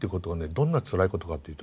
どんなつらいことかって言うとね